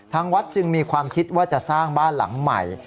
ทางวัดจึงมีความคิดว่าจะสร้างบ้านหลังใหม่